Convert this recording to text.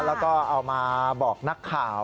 แล้วก็เอามาบอกนักข่าว